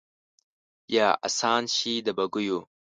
یا آسان شي د بګیو